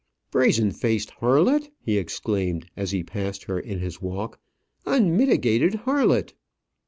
"Brazen faced harlot!" he exclaimed, as he passed her in his walk; "unmitigated harlot!"